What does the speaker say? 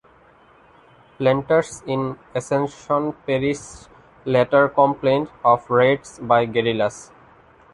Planters in Ascension Parish later complained of raids by guerrillas.